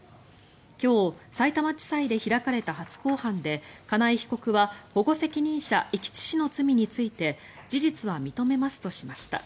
今日、さいたま地裁で開かれた初公判で金井被告は保護責任者遺棄致死の罪について事実は認めますとしました。